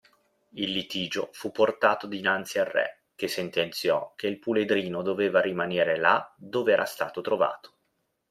Il litigio fu portato dinanzi al re che sentenziò che il puledrino doveva rimanere là dove era stato trovato.